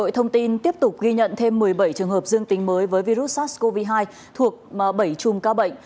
thông tin tiếp tục ghi nhận thêm một mươi bảy trường hợp dương tính với virus sars cov hai thuộc bảy chùm ca bệnh